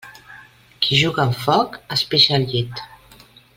Qui juga amb foc es pixa al llit.